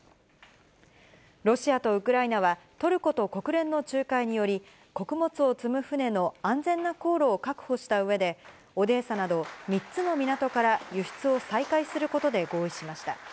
ロシアとウクライナは、トルコと国連の仲介により、穀物を積む船の安全な航路を確保したうえで、オデーサなど、３つの港から輸出を再開することで合意しました。